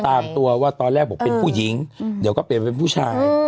ตามตัวว่าตอนแรกผมเป็นผู้หญิงเดี๋ยวก็เป็นผู้ชาย